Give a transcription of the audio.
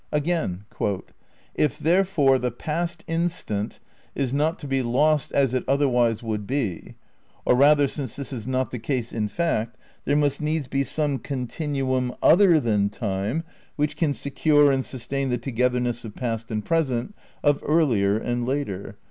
Again, "If, therefore, the past instant is not to be lost as it otherwise would be, or rather since this is not the case in fact, there must needs be some continuum other than Time which can secure and sustain the togetherness of past and present, of earlier and later.